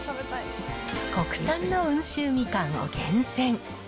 国産の温州みかんを厳選。